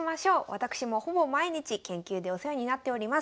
私もほぼ毎日研究でお世話になっております